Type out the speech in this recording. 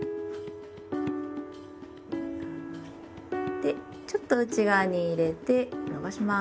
でちょっと内側に入れて伸ばします。